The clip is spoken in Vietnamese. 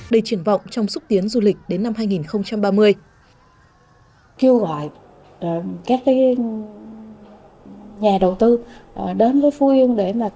đầy triển vọng trong xúc tiến du lịch đến năm hai nghìn ba mươi